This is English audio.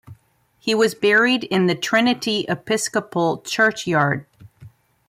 He was buried in the Trinity Episcopal Churchyard.